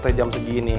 teh jam segini